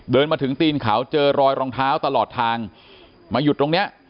เดินมาถึงตีนเขาเจอรอยรองเท้าตลอดทางมาหยุดตรงเนี้ย